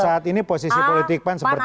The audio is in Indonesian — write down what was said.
saat ini posisi politik pan seperti